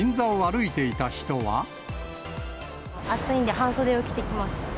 暑いんで、半袖を着てきました。